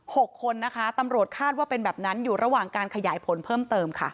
หกคนนะคะตำรวจคาดว่าเป็นแบบนั้นอยู่ระหว่างการขยายผลเพิ่มเติมค่ะ